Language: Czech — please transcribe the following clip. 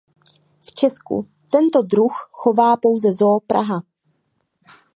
V Česku tento druh chová pouze Zoo Praha.